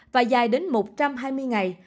và dài đến một trăm hai mươi ngày